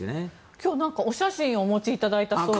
今日はお写真をお持ちいただいたそうで。